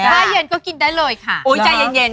ถ้าเย็นก็กินได้เลยค่ะโอ้ยใจเย็น